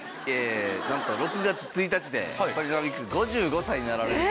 なんと６月１日で坂上くん５５歳になられる。